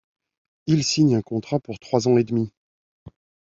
Il signe un contrat pour trois ans et demi.